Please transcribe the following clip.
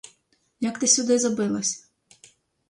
Як ти сюди забилась?